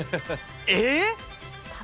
えっ！？